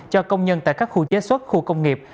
cho công nhân tại các khu chế xuất khu công nghiệp